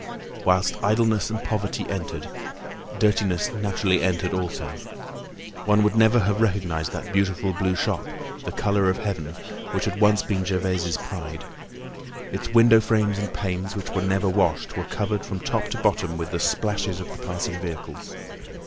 Whilst idleness and poverty entered, dirtiness naturally entered also. One would never have recognised that beautiful blue shop, the color of heaven, which had once been Gervaise's pride. Its window frames and panes, which were never washed, were covered from top to bottom with the splashes of the passing vehicles.